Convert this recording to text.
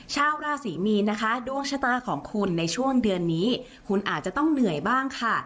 ชาวราศรีมีนนะคะดวงชะตาของคุณในช่วงเดือนนี้คุณอาจจะต้องเหนื่อยบ้างค่ะ